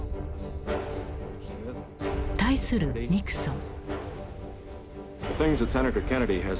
対するニクソン。